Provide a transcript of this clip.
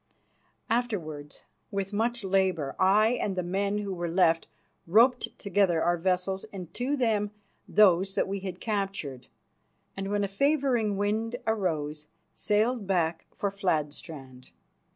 Afterwards, with much labour, I and the men who were left roped together our vessels, and to them those that we had captured, and when a favouring wind arose, sailed back for Fladstrand.